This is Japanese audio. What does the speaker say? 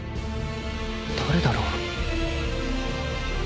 誰だろう。